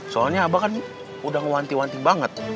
soalnya abah kan udah mewanti wanti banget